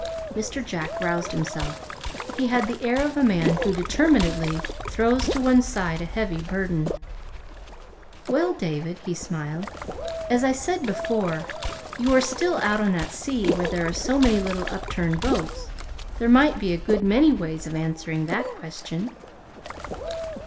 Mr. Jack roused himself. He had the air of a man who determinedly throws to one side a heavy burden. "Well, David," he smiled, "as I said before, you are still out on that sea where there are so many little upturned boats. There might be a good many ways of answering that question."